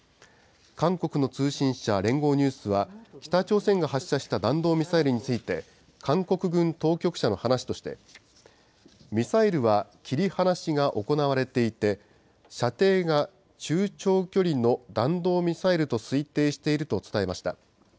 韓国の通信社、連合ニュースは、北朝鮮が発射した弾道ミサイルについて、韓国軍当局者の話として、ミサイルは切り離しが行われていて、射程が中長距離の弾道ミサイルと推定していると伝えました。